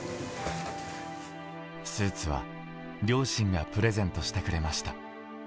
スーツは両親がプレゼントしてくれました。